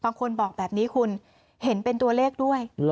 บางคนบอกแบบนี้คุณเห็นเป็นตัวเลขด้วย